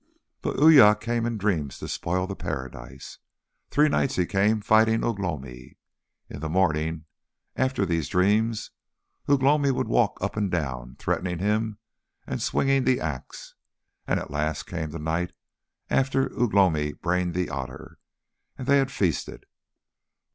But Uya came in dreams to spoil the paradise. Three nights he came fighting Ugh lomi. In the morning after these dreams Ugh lomi would walk up and down, threatening him and swinging the axe, and at last came the night after Ugh lomi brained the otter, and they had feasted.